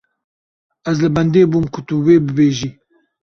Ez li bendê bûm ku tu wê bibêjî.